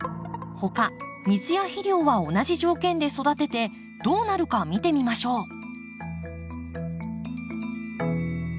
ほか水や肥料は同じ条件で育ててどうなるか見てみましょう。